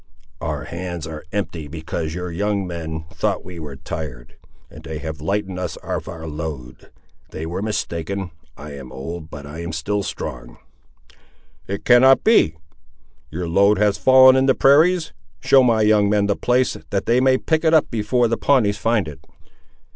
"Our hands are empty because your young men thought we were tired, and they have lightened us of our load. They were mistaken; I am old, but I am still strong." "It cannot be. Your load has fallen in the prairies. Show my young men the place, that they may pick it up before the Pawnees find it."